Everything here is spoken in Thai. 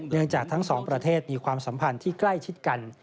จากทั้งสองประเทศมีความสัมพันธ์ที่ใกล้ชิดกัน